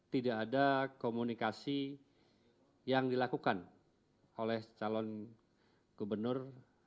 tidak ada komunikasi yang dilakukan oleh calon gubernur